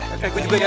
oke gue juga ya